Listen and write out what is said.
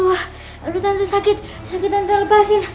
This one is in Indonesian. aduh tante sakit sakit tante lepaskan